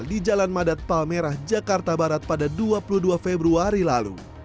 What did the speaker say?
di jalan madat palmerah jakarta barat pada dua puluh dua februari lalu